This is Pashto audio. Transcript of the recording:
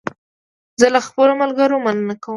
زه له خپلو ملګرو مننه کوم.